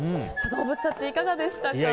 動物たち、いかがでしたか？